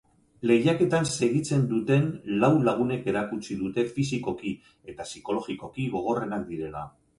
Lehiaketan segitzen duten lau lagunek erakutsi dute fisikoki eta psikologikoki gogorrenak direla.